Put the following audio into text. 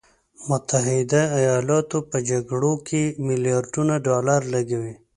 متحده ایالاتو په جګړو کې میلیارډونه ډالر لګولي.